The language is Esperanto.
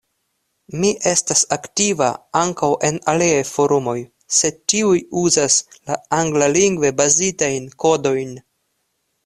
Mi estas aktiva ankaŭ en aliaj forumoj, sed tiuj uzas la anglalingve bazitajn kodojn.